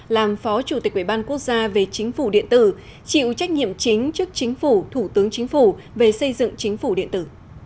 làm phó chủ tịch ubnd về chính phủ điện tử chịu trách nhiệm chính trước chính phủ thủ tướng chính phủ về xây dựng chính phủ điện tử